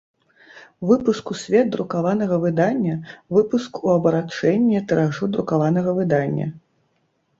Выпуск у свет друкаванага выдання – выпуск у абарачэнне тыражу друкаванага выдання.